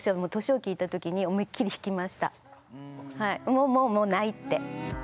もうもうもうないって。